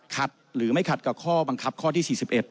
ขัดหรือไม่ขัดกับข้อบังคับข้อที่๔๑